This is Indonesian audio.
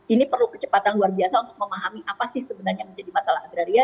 ini perlu kecepatan luar biasa untuk memahami apa sih sebenarnya menjadi masalah agraria